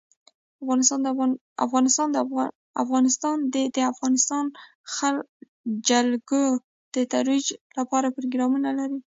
افغانستان د د افغانستان جلکو د ترویج لپاره پروګرامونه لري.